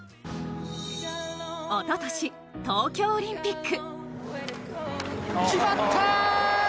おととし、東京オリンピック。